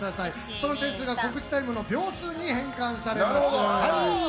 その点数が告知タイムの秒数に変換されます。